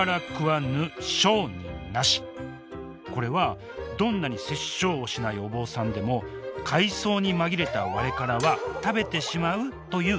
これはどんなに殺生をしないお坊さんでも海藻に紛れたワレカラは食べてしまうという意味なんです